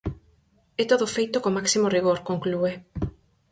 E todo feito co máximo rigor, conclúe.